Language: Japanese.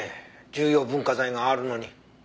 重要文化財があるのに。